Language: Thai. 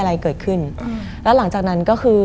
มันกลายเป็นรูปของคนที่กำลังขโมยคิ้วแล้วก็ร้องไห้อยู่